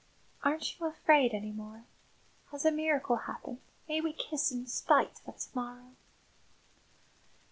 "Aren't you afraid any more? Has a miracle happened may we kiss in spite of to morrow?"